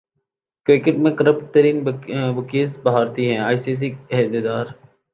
cricket میں corrupt ترین bookies بھارتی ہیں ائی سی سی عہدیدار